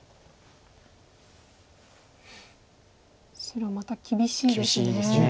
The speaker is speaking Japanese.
白また厳しいですね。